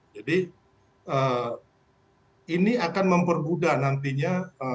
jadi ini akan memperbudah nantinya